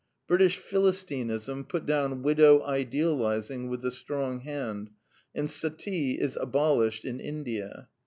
British Philistinism put down widow ideal izing with the strong hand ; and suttee is abolished in India.